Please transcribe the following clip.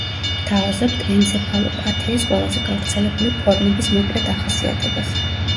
გთავაზობთ ენცეფალოპათიის ყველაზე გავრცელებული ფორმების მოკლე დახასიათებას.